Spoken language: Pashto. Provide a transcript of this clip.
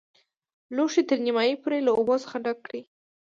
لوښی تر نیمايي پورې له اوبو څخه ډک کړئ.